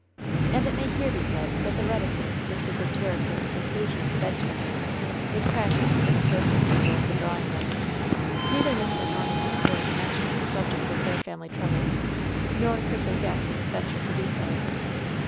And it may here be said that the reticence which was observed in the seclusion of the bedchamber was prac ticed in the social circle of the drawing room. Neither Mr. nor Mrs. Force mentioned the subject of their family troubles, nor could their guests venture to do so.